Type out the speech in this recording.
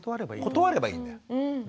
断ればいいんだよ。